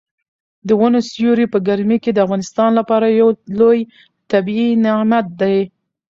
د ونو سیوری په ګرمۍ کې د انسان لپاره یو لوی طبیعي نعمت دی.